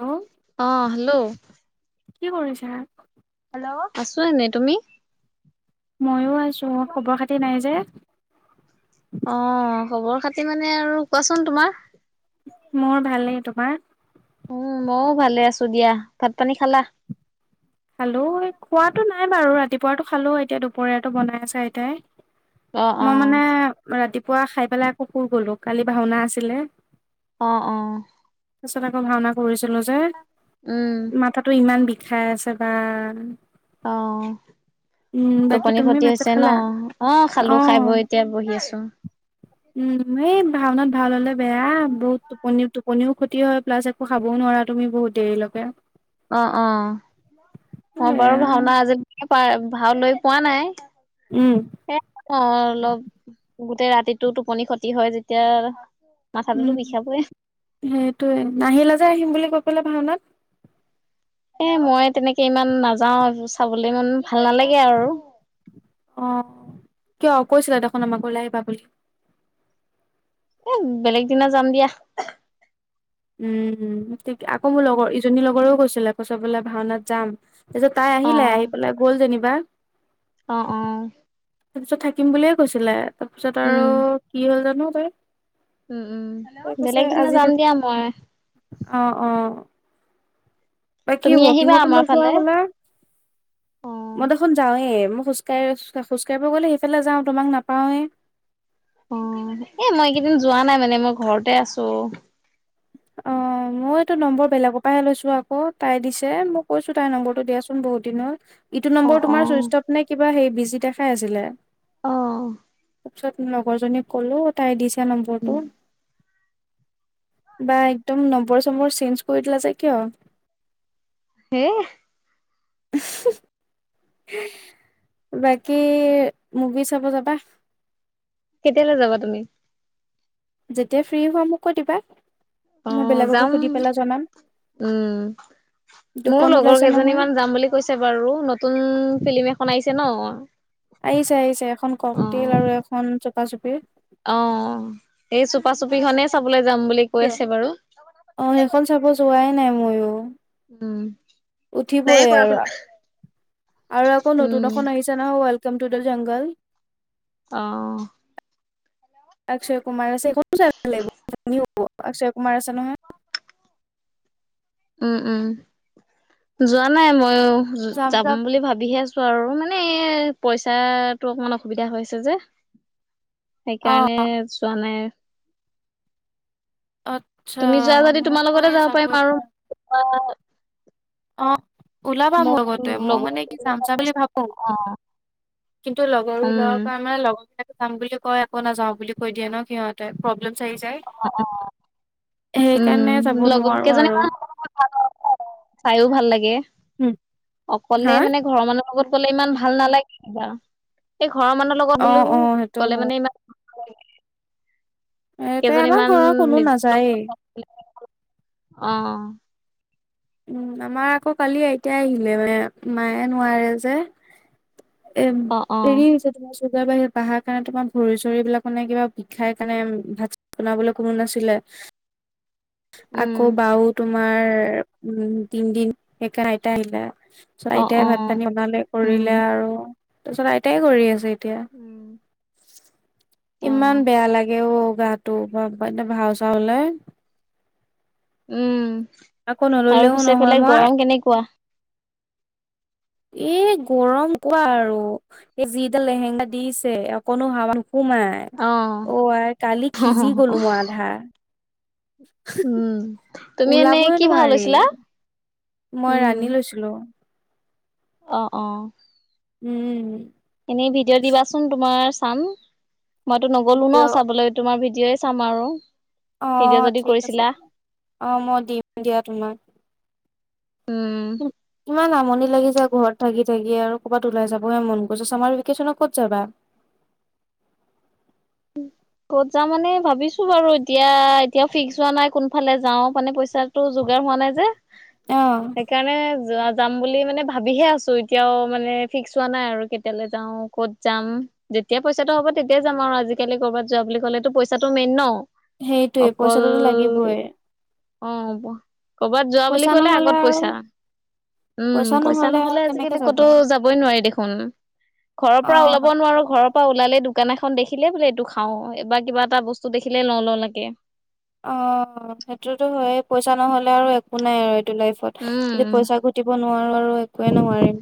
Hello অহ hello কি কৰিছা? আছো এনেই। তুমি? মইও আছো খবৰ খাতি নাই যে। অ খবৰ খাতি মানে আৰু কোৱাচোন তোমাৰ? মোৰ ভালই। তোমাৰ? উম ময়ো ভালে আছো দিয়া। ভাত পানী খালা? খালো এই খোৱাতটো নাই বাৰু ৰাতিপুৱাতটো খালো এতিয়া দুপৰীয়াাতটো বনাই আছ আইটাই। অ অ মই মানে ৰাতিপুৱা খাই পেলাই আকৌ সুৰ গলো কালি ভাওনা আছিলে। অঅ। তাৰপিছত আকৌ ভাওনা কৰিছিলোঁ যে উম মাথাটো ইমান বিষাই আছে বা। অ। উম বাকী টোপনি তুমি খতি ভাত চাত হৈছে ন? খালা? অ খালো খাই বৈ এতিয়া বহি আছো। উম এই ভাওন। ভাল হ'লে বেয়া বহুত টোপনি টোপনিও ক্ষতি হয় প্লাছ একো খাবও নোৱাৰা তুমি বহুত দেৰিলৈকে। অ অ মই বাৰু বেয়া ভাওনা আজিলৈকে প ভাও লৈ পোৱা নাই। উম সেই অলপ। গোটেই ৰাতিটো টোপনি ক্ষতি হয় যেতিয়া মাথাটোতো উম বিষাবই সেইটোৱে নাহিলে যে আহিম বুলি কৈ পেলাই ভাওনাত। এ মই তেনেকে ইমান নাযাও চাবলৈ ইমান ভাল নালাগে আৰু। অ কিয় কৈছিলা দেখোন আমাক ওলাই আহিবা বুলি? এ বেলেগ দিনা যাম দিয়া। উম আকৌ মোৰ লগৰ ইজনী লগৰেও কৈছিলে কৈচ বলে ভাওনাত যাম। তাৰপিছত তাই আহিলে অ আহি পেলাই গ'ল যেনিবা। অ অ। তাৰপিছত থাকিম বুলিয়ে কৈছিলে তাৰপিছত আৰু উম কি হল জানো তই? উম উম বেলেগ কৈছে দিনা আজি যাম থ দিয়া মই অ অ। বাকী তুমি আহিবা ৱকিঙতো আমাৰ নোযোৱা ফালে হলা? অ মই দেখোন যাওঁৱে মোক। খোজ কাঢ়ি খোজ কঢ়িব গ'লে সেইফালে যাওঁ তোমাক নাপাওৱেই। অ এ মই এইকেইদিন যোৱা নাই মানে মই ঘৰতে আছো। অ। অ মই এইটো নম্বৰ বেলেগৰ পৰাহে লৈছো আকৌ তাই দিছে মই কৈছো তাই নম্বৰটো দিয়াচোন বহুত দিনত। ইটো অ নম্বৰ অ তোমাৰ চুইষ্টপ নে কিবা সেই বিজি দেখাই আছিলে। অ। তাৰপিছত লগৰজনীক ক'লো তাই দিছে নম্বৰটো। বা একদম নম্বৰ চম্বৰ চেঞ্জ কৰি দিলা যে কিয়? হেহ। [unintelligible] বাকী মুভি চাব যাবা? কেতিয়ালৈ যাবা তুমি? যেতিয়া ফ্ৰী হোৱা মোক কৈ দিবা অ মই বেলেগকো যাম সুধি পেলাই জনাম। উম। মোৰ দুখন লগৰ ওলাইছে কেইজনী নহয় মান যাম বুলি কৈছে বাৰু! নতুন ফিল্ম এখন আহিছে ন? আহিছে আহিছে এখন কক তেইল আৰু এখন চুপা চুপিৰ। অ এই চোপা চুপিখনেই চাবলে যাম বুলি কৈ আছে বাৰু। অ', সেইখন চাব যোৱাই নাই ময়ো। উম পাই উঠিবই আৰু কৰাচোন। আৰু আকৌ নতুন এখন আহিছো ন ৱেলকাম টু দা জংগল। অহ। অক্ষয় কুমাৰ আছে,। অ অক্ষয় কুমাৰ আছে নহয়। উম উম যোৱা নাই মই যাম বুলি ভাবিহে আছো আৰু। মানে পইচাটো অকমান অসুবিধা হৈছে যে। অ সেইকাৰণে চোৱা নাই। আচ্ছা তুমি যোৱা যদি তোমাৰ লগতে যাব পাৰিম আৰু। অ ওলাবা মোৰ লগতে মই মানে কি যাম চা বুলি ভাবো। অ কিন্তু লগৰ ল উম কাৰ মানে লগৰ বিলাক যাম বুলি কয় একো নাযাও বুলি কৈ দিয়ে ন সিহঁতে প্ৰব্লেম। চাই যায়। অ অ সেইকাৰণে উম যাব লগত নোৱাৰো কেইজনী আৰু মান [unintelligible] চাইও ভাল লাগে। উম অকলে হা মানে ঘৰৰ মানুহ লগত গলে ইমান ভাল নালাগিব কিবা। এক- ঘৰৰ মানুহ লগত অ অ বুলিও সেইটো গ'লে হয় মানে ইমান- সেইটোৱে কেইজনী আমাৰ মান ঘৰৰ কোনো নিজৰ নাযায়েই লগত [unintelligible] অ উম আমাৰ আকৌ কালি আইতা আহিলে মানে মায়ে নোৱাৰে যে। এম অ অ ৰি হৈছে তোমাৰ বাহি পাহাৰ কাৰণে তোমাৰ ভৰি চৰিবিলাক নে কিবা বিষাই কাৰণে ভাত বনাবলৈ কোনো নাছিলে। [inaudible] আকৌ উম বাও তোমাৰ উম তিনদিন একা আইতা আহিলে। তাৰ পাছত অ আইতাই অ ভাত পানী বনালে উম কৰিলে আৰু তাৰ পিছত আইতাই কৰি আছে। এতিয়া উম। অ ইমান বেয়া লাগে অ। গাটো [unintelligible] ভাও চাউ হ'লে। উম আকৌ আৰু নললেও পিছে নহয় সেইফালে মই গৰম কেনেকুৱা। এ গৰম কোৱা আৰু এই যিডাল লেহেংগা দিছে অকনো হাৱা নো- সোমাই অ অ আ কালি সিজি গলো মই আধা। উম, তুমি এনেই ওলাবই কি ভাও নোৱাৰি লৈছিলা? মই ৰাণী লৈছিলো। অঁ অ। উম। এনেই ভিডিঅ' দিবাচোন তুমাৰ চাম, মইতো নগলো ন ভিডিঅ' চাবলৈ তোমাৰ ভিডি জীয়াই চাম আৰু। ভিডিঅ' অঁ যদি ঠিক আছে, কৰিছিলা। অ মই দিম দিয়া তোমাক। উম [inaudible] ইমান আমনি। লাগিছে ঘৰত থাগি থাকি আৰু ক'ৰবাত ওলাই যাবহে মন গৈছে, চামাৰ ভেকেশ্যনত ক'ত যাবা? উম ক'ত যা মানে ভাবিছো বাৰু এতিয়া এতিয়া ফিক্স হোৱা নাই কোনফালে যাও মানে পইচাটো যোগাৰ। হোৱা নাই যে অ' সেইকাৰণে যোৱা যাম বুলি মানে ভাবিহে আছো এতিয়াও মানে ফিক্স হোৱা নাই আৰু কেতিয়ালৈ যাও ক'ত যাম। যেতিয়া পইচাটো হব তেতিয়াই যাম আৰু আজিকালি ক'ৰবাত যোৱা বুলি কলেতো পইচাটো মেইন ন। সেইটোৱে অকল পইচাটোতো লাগিবই অ কৰ'বাত যোৱা বুলি পইচা ক'লে নহ'লে আগত আৰু পইছা। উম পইচা আৰু নহলে কেনেকে আজিকালি ক'তো যাবা যাবই নোৱাৰি দেখোন। ঘৰৰ পৰা ওলাব অ'। নোৱাৰো ঘৰৰ পৰা ওলালে দুখ। দোকান এখন দেখিলেই বোলে এইটো খাওঁ, এইবাৰ কিবা এটা বস্তু দেখিলে ল লওঁ লাগে। অ সেইটোতো হয় পইচা নহ'লে আৰু একো নাই আৰু ইত- এইটো লাইফত যদি উম পইচা ঘটিব নোৱাৰোঁ আৰু একোৱে নোৱাৰিম।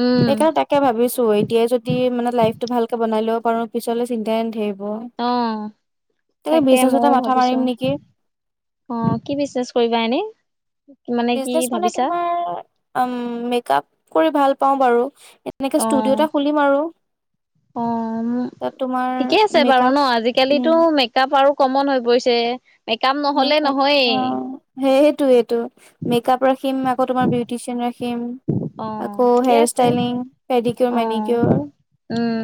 উম সেইকাৰণে তাকে ভাবিছো এতিয়াই যদি মানে লাইফতটো ভালকে বনাই লব পাৰো পিছলে চিন্তাই নাথাব- অ তাকে বিজনেছ মৌ এটা মাথা ভাবিছো মাৰিম নেকি অ কি বিজনেচ কৰিবা এনেই? বিজনেচ মানে তোমাৰ মেক আপ কৰি ভাল পাওঁ বাৰু। এনেকে ষ্টুডিঅ' এটা খুলিম আৰু। অম তাত তোমাৰ ঠিকে আছে বাৰু মেকআপ ন, আজিকালিতো উম মেকাআপ আৰু কমন হৈ পৰিছে মেকআপ নহলে মেকআপ, নহয়েই অ সেইটোৱেটো, মেকআপ ৰাখিম আকৌ তোমাৰ বিউটিচিয়ান ৰাখিম অ খিম আকৌ ঠিকে হেয়াৰ আছে ষ্টাইলিং, অ পেডিকিয়ৰ-মেনিকিয়ৰ উম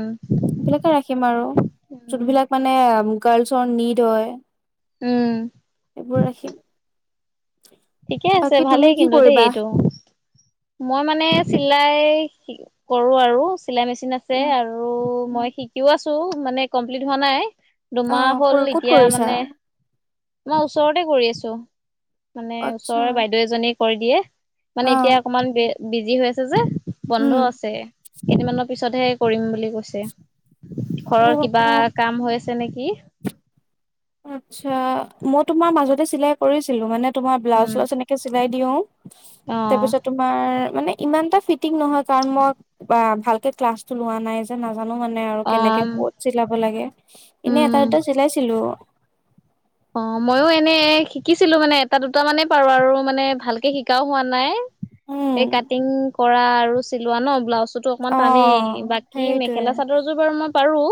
বিলাকে ৰাখিম আৰু উম যোনবিলাক মানে গাৰ্লছৰ নিড হয় উম সেইবোৰ ৰাখিম। ঠিকে আছে বাকী তুমি ভালেই কি কিন্তু দেই কৰিবা? এইটো, মই মানে চিলাই কৰো আৰু চিলাই মেচিন আছে উম আৰু মই শিকিও আছো। টো মানে কমপ্লিট হোৱা নাই দুমাহ অ', হ'ল, কৰ ক'ত এতিয়া কৰিছা? মানে মই ওচৰতে কৰি আছো, মানে আচ্ছা, ওচৰৰে বাইদেউ এজনীয়ে কৰি দিয়ে। মানে এতিয়া অ', অকমান বে বিজি হৈ আছে যে, বন্ধ উম। আছে কেইদিনমানত পিছতহে কৰিম বুলি কৈছে, ঘৰৰ কিবা অ', কাম হৈ আ তেনে কি? আচ্ছা, মই তোমাৰ মাজতে চিলাই কৰিছিলো মানে তোমাৰ ব্লাউজ উম, চলাউজ এনেকে চিলাই দিও, তাৰ অ', পিছত তোমাৰ মানে ইমান এটা ফিটিং নহয় কাৰণ মই বা ভালকে ক্লাছটো লোৱা নাই যে না জানো মানে আৰু কেনেকে অ', কত চিলাব লাগে, এনে এটা উম। দুটা চিলাইছিলো। অ ময়ো এনে শিকিছিলো মানে এটা দুটা মানে পাৰো আৰু মানে ভালকে শিকাও হোৱা নাই। উম, এই কাটিং কৰা আৰু চিলোৱা ন ব্লাউজ বটো অকমান টানেই, অ', বাকী সেইটোৱে মেখেলা চাদৰযোৰ বাৰু মই পাৰো।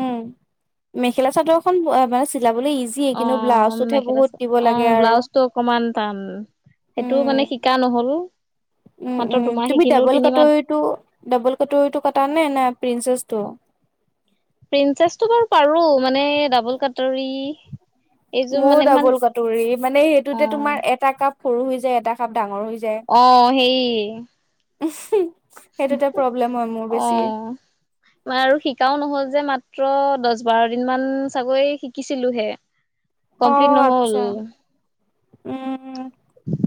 উম মেখেলা চাদৰ এখন বা বাও চি চিলাবলে ইজি এ কিন্তু অ', ব্লাউজটোতহে মেখেলা বহুত দিব লাগে অ', আৰু। ব্লাউজটো অকমান টান সেইটো মানে উম। শিকা নহ'ল। উম মাত্ৰ উম দুমাহ তুমি শিকিলো ডাবল তিনিমাহ কাটৰিটো ডাবল কাটৰিটো কাটা নে না প্ৰিনচেচ ত? প্ৰিন্চেছটো বাৰু পাৰো মানে ডাবল কাটৰী মোৰ ডাবল কাটৰি মানে অ সেইটোতে তোমাৰ এটা কাপ সৰু হৈ যায় এটা কাপ ডাঙৰ হৈ অ সেই। উমহু অ মানে আৰু শিকাও নহল যে মাত মাত্ৰ দছ -বাৰ দিন মান চাগৈ শিকিছিলোহে। অ কমপ্লিট নহল আচ্ছা, উম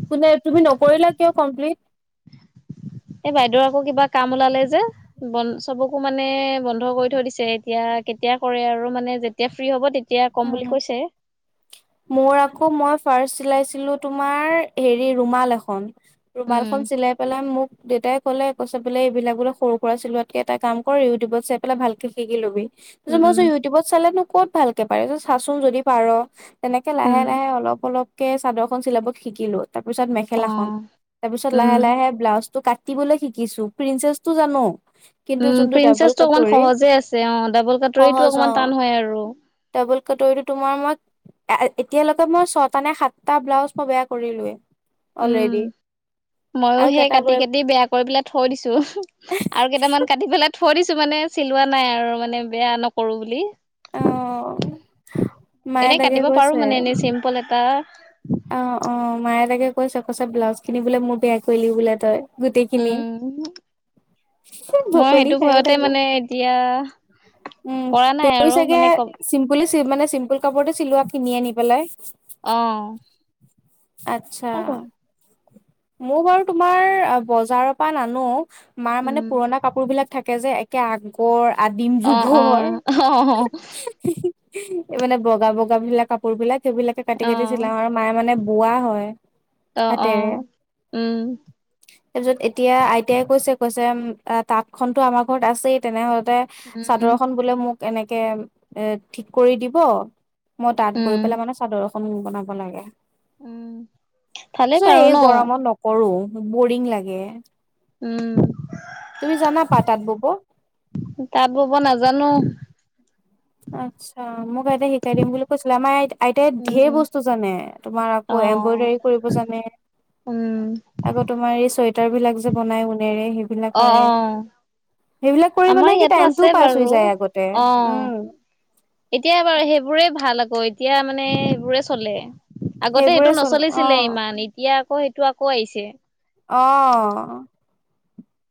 কোনে তুমি ন নকৰিলা কিয় কমপ্লিট? [inaudible] এ বাইদেউৰ আকৌ কিবা কাম ওলালে যে, বন- চবকো মানে বন্ধ কৰি থৈ দিছে এতিয়া। কে তিয়া কৰে আৰু, মানে যেতিয়া ফ্ৰী হ'ব তে উম। মোৰ আকৌ মই ফাৰ্ছ চিলাইছ ছিলোঁ তোমাৰ হেৰি, ৰুমাল এখন। ৰুমালখন উম চিলাই পেলাই মোক দেউতাই ক'লে, কৈছে বোলে, এইবিলাক বোলে সৰু - সুৰা চিলোৱাতকে এটা কাম কৰ। ইউটিউবত চাই পেলাই ভালকে শিকি লবি। তাৰপিছত মই কৈছো উম ইউটিউবত চালে নো ক'ত ভালকে পাৰে ত চাচোন যদি পাৰ। তেনেকে উম লাহে- লাহে অলপ অলপকে চাদৰ এখন চিলাব শিকিলো। তাৰপিছত অ মেখেলাখন, তাৰপিছত উম লাহে- লাহে ব্লাউজটো কাট টিবলৈ শিকিছো প্ৰিন্চেছটো জানো। কিন্তু উম যোনটো ডাবল প্ৰিন্চেছটো অকণমান কটৰী সহজে আছে, অ ডাবল কাটৰিটো অকমান টান হয় আৰু। কাটৰিটো তোমাৰ মই, এতিয়ালেকে মই ছটা নে সাতটা ব্লাউজ মই বেয়া কৰিলোৱে। উম। অলৰেডি ময়ও আৰু সেই কেইটা কাটি- বয় কাটি বেয়া কৰি পেলাই থৈ দিছো উমহু, আৰু কেইটামান কাটি পেলাই থৈ দিছো মানে চিলোৱা নাই আৰু মানে বেয়া নকৰো বুলি। অ' মায়ে এনে তাকে কাটিব পাৰো কৈছে মানে এনেই চিম্পল এটা। অ অ মায়ে তাকে কৈছে কচে ব্লাউজখিনি বোলে মোৰ বেয়া কৰিলি বোলে তই। গোটেইখিনি। উম, মই সেইটো ঘৰতে মানে এতিয়া উম কৰা নাই তুমি আৰু চাগে মানে ক চিম্পুল মানে চিম্পুল কাপোৰতে চিলোৱা কিনি আনি পেলাই অহ আচ্ছা মোৰ বাৰু তোমাৰ বজাৰৰ পৰা নানো মাৰ মানে উম, পুৰণা কাপোৰ বিলাক থাকে যে একে আগৰ আদিম অ', যুগৰ অ', অ', এই মানে বগা বগা বিলাক কাপোৰ বিলাক সেইবিলাকে কাটি কাটি অ', চিলাওঁ আৰু মায়ে মানে বোৱা হয় অ', হাতেৰে অ'। উম। তাৰ পিছত এতিয়া আইতাই কৈছে - কৈছে, তাঁতখনটো আমাৰ ঘৰত আছেই তেনেহ লে, উম, চাদৰখন বোলে মোক এনেকে এ- ঠিক কৰি দিব। মই তাঁত বৈ উম, পেলাই মানে চাদৰ এখন বনাব লাগে। উম, ভালেই পিছত পাৰোঁ এই ন গৰমত নকৰোঁ। বৰিং লাগে। উম। তুমি জানা পা তাত বব তাঁত বব নাজানো। আচ্ছা। মোক আইতাই শিকাই দিম বুলি কৈছিলে। আমাৰ আই আইতাই ঢেৰ উম বস্তু জানে। তোমাৰ আকৌ অ এম্ব্ৰইডাৰী কৰিব জানে উম আকৌ তোমাৰ এই চুৱেটাৰবিলাক যে বনায় ঊণেৰে, সেইবিলাক অ পাৰে। অ সেইবিলাক কৰি আমাৰ মানে কি, ইয়াতো আছে টাইমটোও পাছ হৈ বাৰু যায় আগতে। অ উম। এতিয়া বাৰু সেইবোৰে ভাল আকৌ। এতিয়া মানে সেইবোৰে চলে। আগতে সেইবোৰে এইটো চল অ নচলিছিলে ইমান। এতিয়া আকৌ সেইটো আকৌ আহিছে। অ'।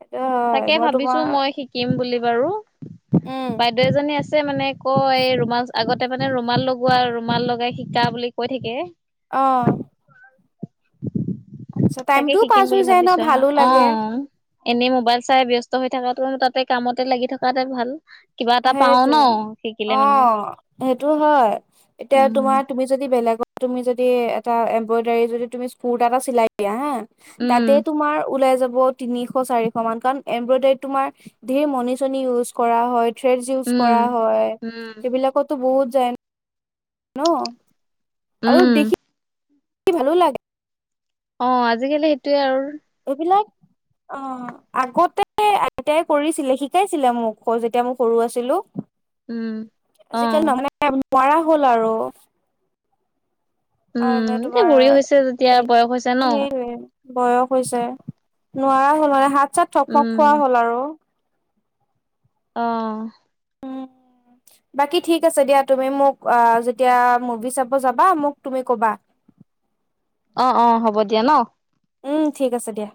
সেইটো হয় তাকে মই ভাবিছোঁ তোমাৰ মই শিকিম বুলি বাৰু। উম বাইদেউ এজনী আছে মানে, কয় এই ৰুমাল- আগতে মানে ৰুমাল লগোৱা, ৰুমাল লগাই শিকা বুলি কৈ থাকে। অ'। আচ্ছা তাকে টাইমটোও শিকিম পাছ হৈ বুলি যায় ন ভাবিছোঁ আৰু, ভালো লাগে অ'। এনে মোবাইল চাই ব্যস্ত হৈ থকাটোনো, তাতে কামতে লাগি থকাতে ভাল। কিবা এটা পাও ন সেইটোৱে। শিকিলে মানে অ', সেইটো হয়। এতিয়া উম তোমাৰ তুমি যদি বেলেগ তুমি যদি এটা এম্ব্ৰইডাৰী যদি তুমি স্কুৰৰ্টা এটা চিলাই দিয়া হা উম তাতে তোমাৰ ওলাই যা ব তিনিশ-চাৰিশমান, কাৰণ এমব্ৰইডাৰীত তোমাৰ ঢেৰ মণি-চনি ইউজ কৰা হয়। থ্ৰেডছ ইউজ উম কৰা হয়, উম সেইবিলাকতো বহুত যায়। ন, আৰু উম দেখি ভালো লাগে। অ আজিকালি সেইটোয়ে আৰু। এইবিলাক অ আগতে আইতাই কৰিছিলে শিকাইছিলে মোক যেতিয়া মই সৰু আছিলো। উম, অ'। পাৰা হ'ল আৰু। আৰু উম মানে এতিয়া তোমাৰ বুঢ়ী হৈছে যেতিয়া সে- বয়স হৈছে ন সেইটোৱে বয়স হৈছে। নোৱাৰা হ'ল মানে, হাত-চাত থপমপ খোৱা উম হ'ল আৰু। অ'। উম বাকী ঠিক আছে দিয়া। তুমি মোক অ'- যেতিয়া মুভি চাব যাবা, মোক তুমি কবা। অ' - অ' হ'ব দিয়া ন'। উম, ঠিক আছে দিয়া।